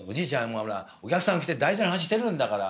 今ほらお客さん来て大事な話してるんだから。